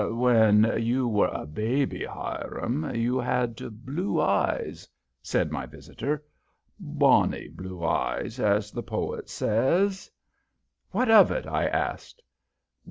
"When you were a baby, Hiram, you had blue eyes," said my visitor. "Bonny blue eyes, as the poet says." "What of it?" I asked.